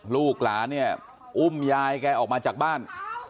ลูกหลานเนี่ยอุ้มยายแกออกมาจากบ้าน